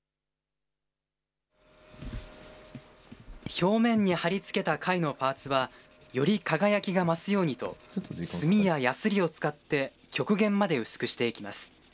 表面に貼り付けた貝のパーツは、より輝きが増すようにと、炭ややすりを使って、極限まで薄くしていきます。